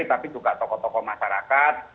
tapi juga tokoh tokoh masyarakat